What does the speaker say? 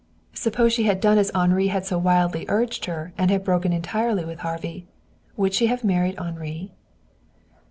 Suppose she had done as Henri had so wildly urged her, and had broken entirely with Harvey? Would she have married Henri?